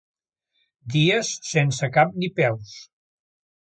Dies sense cap ni peus.